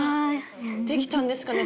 できたんですかね？